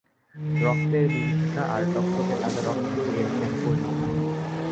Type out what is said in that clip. রক্তের বিভীষিকা আর টকটকে তাজা রক্তই এর শেষ পরিণতি।